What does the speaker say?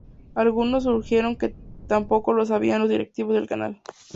Algunos sugirieron que tampoco lo sabían los directivos del Canal.